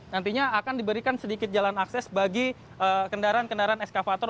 nantinya akan diberikan sedikit jalan akses bagi kendaraan kendaraan eskavator